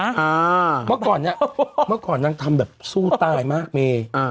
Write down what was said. เมื่อก่อนเนี้ยเมื่อก่อนนางทำแบบสู้ตายมากเมย์อ่า